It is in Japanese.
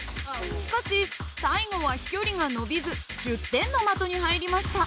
しかし最後は飛距離が伸びず１０点の的に入りました。